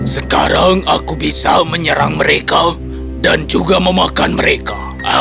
sekarang aku bisa menyerang mereka dan juga memakan mereka